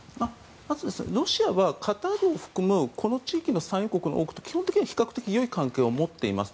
まずロシアはカタールを含むこの地域の産油国の多くと基本的には比較的よい関係を持っています。